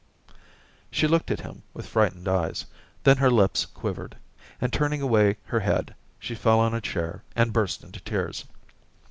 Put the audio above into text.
She looked at him with frightened eyes, then her lips quivered, and turning away her head she fell on a chair and burst into tears.